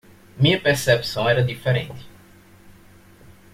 Minha percepção era diferente